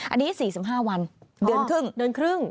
อันนี้๔๕วันเดือนครึ่ง